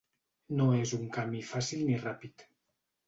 No és un camí fàcil ni ràpid.